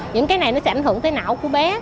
những cái này nó sẽ ảnh hưởng tới não của bé